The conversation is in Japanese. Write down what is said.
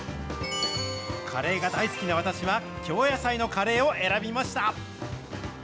カレーが大好きな私は、京野菜のカレーを選びました。